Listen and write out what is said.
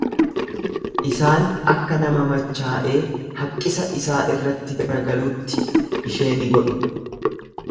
Isaan akka nama machaa'ee haqqisa isaa irratti garagalutti ishee ni godhu.